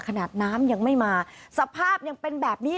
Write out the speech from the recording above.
น้ำยังไม่มาสภาพยังเป็นแบบนี้